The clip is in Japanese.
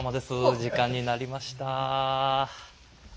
時間になりました。